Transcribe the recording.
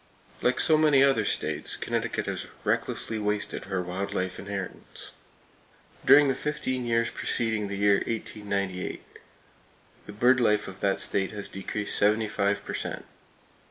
Like so many other states, Connecticut has recklessly wasted her wild life inheritance. During the fifteen years preceding the year 1898, the bird life of that state had decreased 75 per cent.